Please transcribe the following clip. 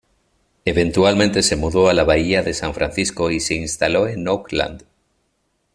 Eventualmente se mudó a la Bahía de San Francisco y se instaló en Oakland.